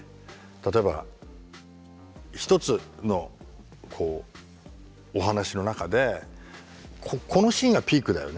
例えば一つのお話の中でこのシーンがピークだよね。